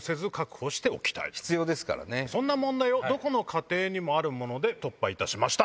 そんな問題をどこの家庭にもあるもので突破いたしました。